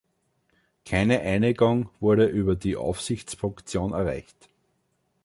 Keine Einigung wurde über die Aufsichtsfunktion erreicht.